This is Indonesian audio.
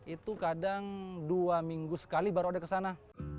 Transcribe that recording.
itu kadang dua minggu sekali baru ada kesana